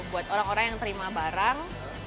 buat orang orang yang terima barang